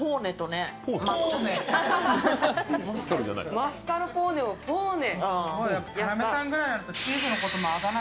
マスカルポーネをポーネ？